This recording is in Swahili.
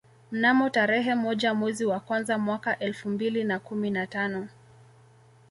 Mnamo tarehe moja mwezi wa kwanza mwaka elfu mbili na kumi na tano